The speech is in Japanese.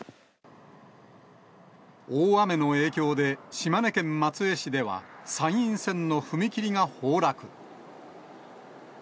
大雨の影響で、島根県松江市では、山陰線の踏切が崩落。